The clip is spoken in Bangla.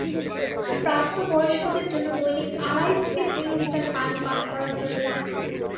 প্রাপ্তবয়স্কদের জন্য দৈনিক আড়াই থেকে তিন লিটার পানি পান করা প্রয়োজন।